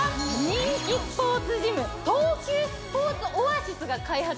人気スポーツジム東急スポーツオアシスが開発